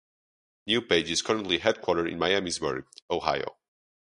NewPage is currently headquartered in Miamisburg, Ohio.